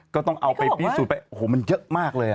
ก็ต้องเอาไปพิสูจน์ไปโอ้โหมันเยอะมากเลย